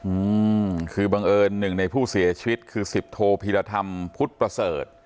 อืมคือบังเอิญหนึ่งในผู้เสียชีวิตคือสิบโทพีรธรรมพุทธประเสริฐ